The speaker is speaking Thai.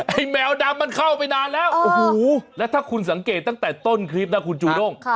แมวดำมันเข้าไปนานแล้วโอ้โหแล้วถ้าคุณสังเกตตั้งแต่ต้นคลิปนะคุณจูด้ง